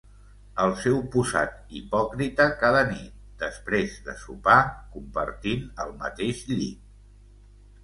El seu posat hipòcrita cada nit, després de sopar, compartint el mateix llit.